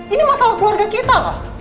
ini masalah keluarga kita kok